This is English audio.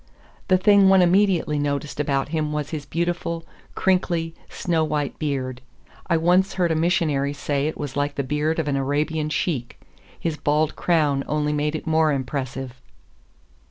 The thing one immediately noticed about him was his beautiful, crinkly, snow white beard. I once heard a missionary say it was like the beard of an Arabian sheik. His bald crown only made it more impressive.